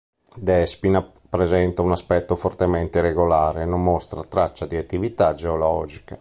Despina presenta un aspetto fortemente irregolare e non mostra traccia di attività geologica.